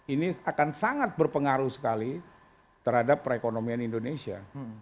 ini akan sangat berpengaruh sekali terhadap perekonomian indonesia